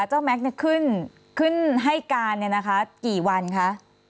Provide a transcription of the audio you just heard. เจ้าแม็กซ์เนี่ยขึ้นให้การเนี่ยนะคะกี่วันคะ